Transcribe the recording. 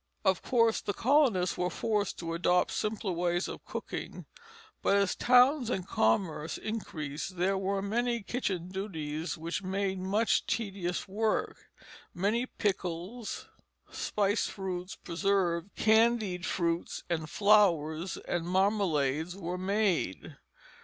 Of course the colonists were forced to adopt simpler ways of cooking, but as towns and commerce increased there were many kitchen duties which made much tedious work. Many pickles, spiced fruits, preserves, candied fruits and flowers, and marmalades were made.